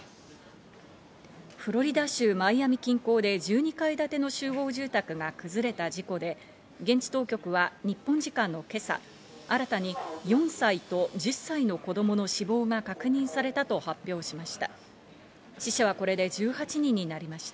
フロリダ州マイアミ近郊で１２階建ての集合住宅が崩れた事故で、現地当局は日本時間の今朝、新たに４歳と１０歳の子供の死亡が確認されたと発表しました。